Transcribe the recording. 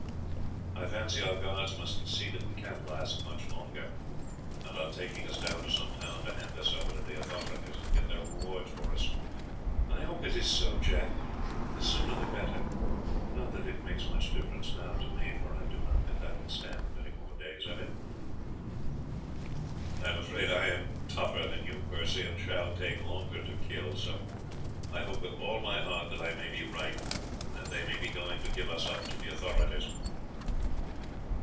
I fancy our guards must see that we can't last much longer, and are taking us down to some town to hand us over to the authorities and get their reward for us." "I hope it is so, Jack; the sooner the better. Not that it makes much difference now to me, for I do not think I can stand many more days of it." "I am afraid I am tougher than you, Percy, and shall take longer to kill, so I hope with all my heart that I may be right, and that they may be going to give us up to the authorities."